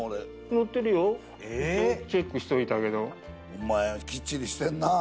お前きっちりしてんなぁ。